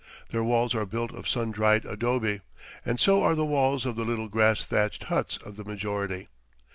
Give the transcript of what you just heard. Their walls are built of sun dried adobe, and so are the walls of the little grass thatched huts of the majority.